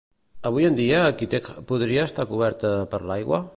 Avui en dia Kítej podria estar coberta per l'aigua?